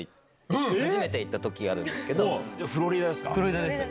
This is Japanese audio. えっ⁉フロリダですか？